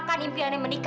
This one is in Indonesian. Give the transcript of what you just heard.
tapi percaya sama mama